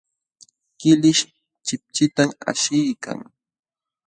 Killish chipchitam ashiykan.